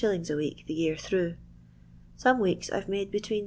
a week the [year through. Bono weeks I 've made between 8